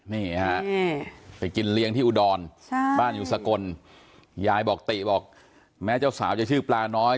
นี่ฮะไปกินเลี้ยงที่อุดรบ้านอยู่สกลยายบอกติบอกแม้เจ้าสาวจะชื่อปลาน้อย